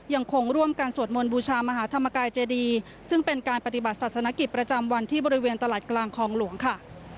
ยังคงร่วมกันสวดมนต์บูชามหาธรรมกายเจดีซึ่งเป็นการปฏิบัติศาสนกิจประจำวันที่บริเวณตลาดกลางคลองหลวงค่ะ